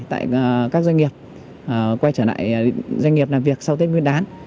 tại các doanh nghiệp quay trở lại doanh nghiệp làm việc sau tết nguyên đán